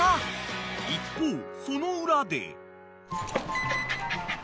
［一方その裏で］